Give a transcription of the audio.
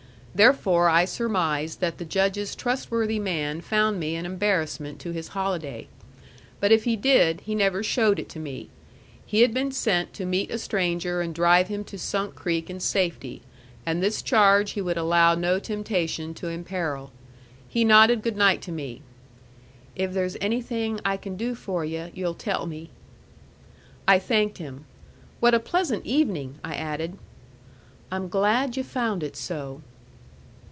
Therefore I surmised that the Judge's trustworthy man found me an embarrassment to his holiday. But if he did, he never showed it to me. He had been sent to meet a stranger and drive him to Sunk Creek in safety, and this charge he would allow no temptation to imperil. He nodded good night to me. "If there's anything I can do for yu', you'll tell me." I thanked him. "What a pleasant evening!" I added. "I'm glad yu' found it so."